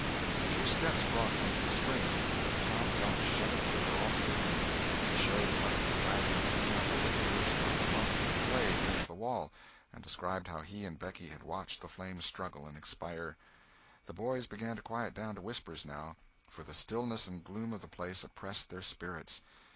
A few steps brought them to the spring, and Tom felt a shudder quiver all through him. He showed Huck the fragment of candle wick perched on a lump of clay against the wall, and described how he and Becky had watched the flame struggle and expire. The boys began to quiet down to whispers, now, for the stillness and gloom of the place oppressed their spirits.